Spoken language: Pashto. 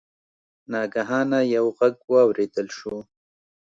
ناګهانه یو غږ واوریدل شو.